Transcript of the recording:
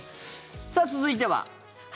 さあ、続いては。